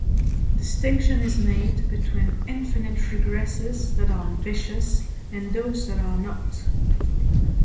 Distinction is made between infinite regresses that are "vicious" and those that are not.